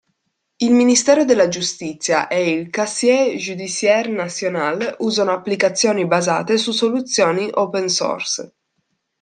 Il Ministero della Giustizia e il "Casier Judiciaire National" usano applicazioni basate su soluzioni open source.